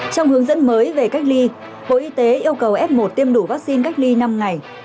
trong hướng dẫn mới về cách ly bộ y tế yêu cầu f một tiêm đủ vaccine cách ly năm ngày